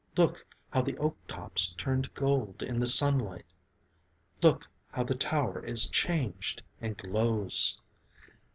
'Look how the oak tops turn to gold in the sunlight! Look how the tower is changed and glows!'